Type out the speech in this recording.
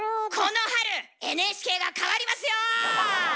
この春ＮＨＫが変わりますよ！